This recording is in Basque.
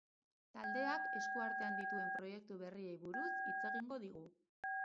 Taldeak, esku artean dituen proiektu berriei buruz hitz egingo digu.